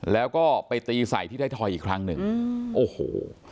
แล้วก็ไปตีใส่ที่ไทยทอยอีกครั้งหนึ่งอืมโอ้โห